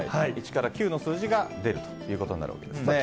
１から９の数字が出るということになるわけです。